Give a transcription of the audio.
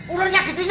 ularnya gede sih